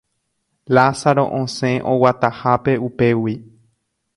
Lázaro osẽ oguatahápe upégui